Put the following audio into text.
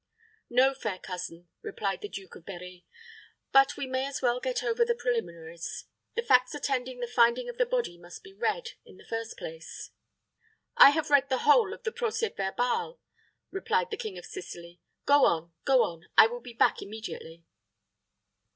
"No, fair cousin," replied the Duke of Berri; "but we may as well get over the preliminaries. The facts attending the finding of the body must be read, in the first place." "I have read the whole of the procès verbal," replied the King of Sicily. "Go on go on, I will be back immediately."